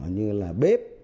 như là bếp